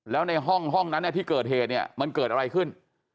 แล้วในห้องนั้นที่เกิดเหตุเนี่ยมันเกิดอะไรขึ้น